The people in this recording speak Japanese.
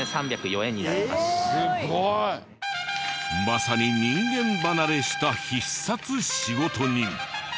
すごい！まさに人間離れした必殺仕事人！